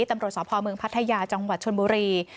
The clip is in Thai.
ตำรวจสพเมืองพัทยาจังหวัดชนบุรี